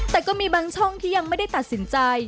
แต่ก็มีบางช่องที่ยังไม่ได้ตัดสินใจ